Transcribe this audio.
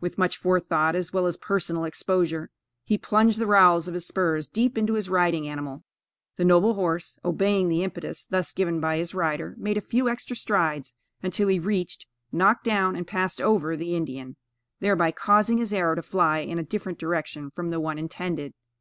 With much forethought, as well as personal exposure, he plunged the rowels of his spurs deep into his riding animal. The noble horse, obeying the impetus thus given by his rider, made a few extra strides, until he reached, knocked down and passed over the Indian, thereby causing his arrow to fly in a different direction from the one intended.